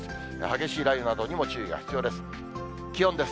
激しい雷雨などにも注意が必要です。